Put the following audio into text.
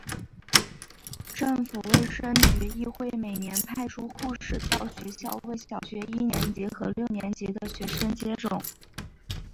政府卫生局亦会每年派出护士到学校为小学一年级和六年级的学生接种。